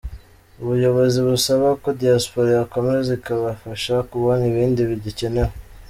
Ubuyobozi busaba ko Diaspora yakomeza ikabafasha kubona ibindi bigikenewe.